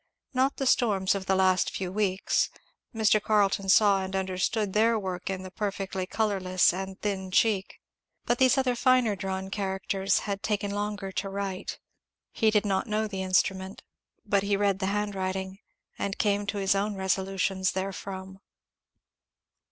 Not the storms of the last few weeks. Mr. Carleton saw and understood their work in the perfectly colourless and thin cheek. But these other finer drawn characters had taken longer to write. He did not know the instrument, but he read the hand writing, and came to his own resolutions therefrom.